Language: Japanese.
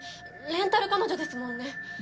レンタル彼女ですもんね